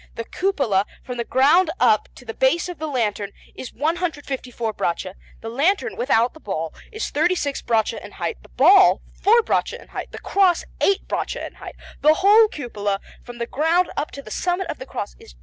The cupola, from the ground up to the base of the lantern, is 154 braccia; the lantern, without the ball, is 36 braccia in height; the ball, 4 braccia in height; the cross, 8 braccia in height. The whole cupola, from the ground up to the summit of the cross, is 202 braccia.